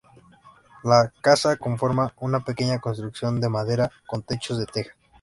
La casa conforma una pequeña construcción de madera con techo de tejas.